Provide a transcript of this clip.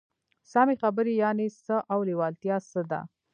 سمې خبرې يانې څه او لېوالتيا څه ده؟